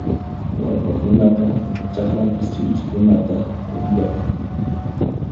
Wallpakunaqa chakrapis chiwchinkunata uqllanku